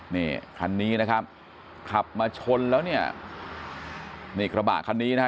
นี่คันนี้นะครับขับมาชนแล้วเนี่ยนี่กระบะคันนี้นะฮะ